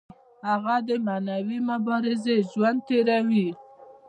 هغه د معنوي مبارزې ژوند تیروي.